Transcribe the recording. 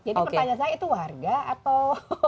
jadi pertanyaan saya itu warga atau